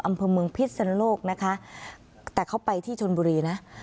อำเภอเมืองพิษสนโลกนะคะแต่เขาไปที่ชนบุรีนะ